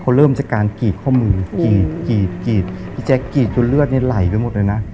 เขาเริ่มจากการกรีดข้อมือกรีดกรีดกรีดพี่แจ๊กกีดจนเลือดเนี่ยไหลไปหมดเลยนะ